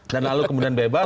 dan lalu kemudian bebas